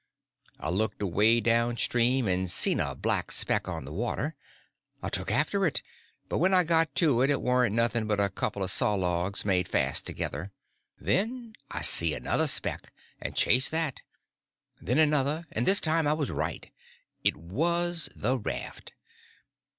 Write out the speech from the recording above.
I looked away down stream, and seen a black speck on the water. I took after it; but when I got to it it warn't nothing but a couple of sawlogs made fast together. Then I see another speck, and chased that; then another, and this time I was right. It was the raft.